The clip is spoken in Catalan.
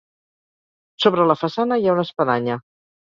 Sobre la façana hi ha una espadanya.